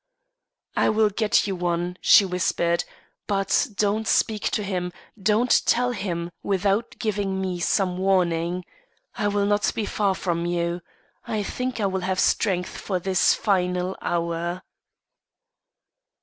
"I will get you one," she whispered. "But don't speak to him, don't tell him without giving me some warning. I will not be far from you. I think I will have strength for this final hour."